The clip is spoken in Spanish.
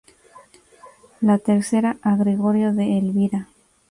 La tercera a Gregorio de Elvira.